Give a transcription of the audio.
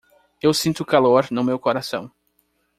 Eu sinto calor no meu coração.